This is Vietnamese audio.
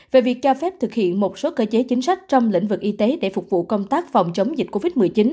về việc cho phép thực hiện một số cơ chế chính sách trong lĩnh vực y tế để phục vụ công tác phòng chống dịch covid một mươi chín